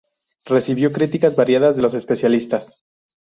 Recibió críticas variadas de los especialistas.